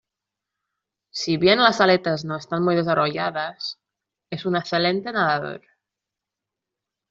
Si bien las aletas no están muy desarrolladas, es un excelente nadador.